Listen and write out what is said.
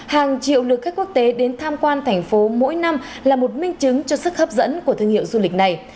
hàng triệu lượt khách quốc tế đến tham quan thành phố mỗi năm là một minh chứng cho sức hấp dẫn của thương hiệu du lịch này